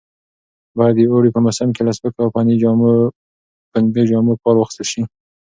باید د اوړي په موسم کې له سپکو او پنبې جامو کار واخیستل شي.